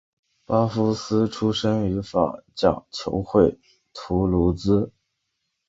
巴夫斯出身于法甲球会图卢兹。